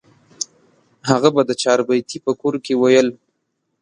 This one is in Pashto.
هغه به د چاربیتې په کور کې ویل.